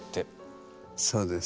そうです。